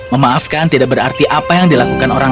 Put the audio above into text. memaafkan tidak berarti apa yang dilakukan orang